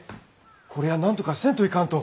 こりゃなんとかせんといかんと！